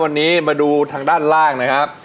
วันนี้มาดูทางด้านล่างนะครับ